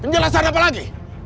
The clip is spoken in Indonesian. penjelasan apa lagi